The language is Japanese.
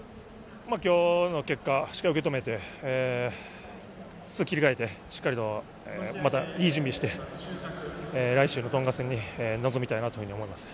きょうの試合をしっかり受け止めて、切り替えて、しっかりまた、いい準備をして、来週のトンガ戦に臨みたいなというふうに思います。